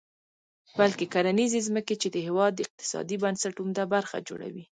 بلکې کرنیزې ځمکې، چې د هېواد د اقتصادي بنسټ عمده برخه جوړوي.